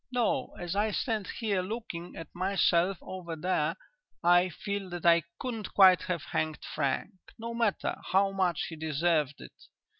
No, as I stand here looking at myself over there, I feel that I couldn't quite have hanged Frank, no matter how much he deserved it....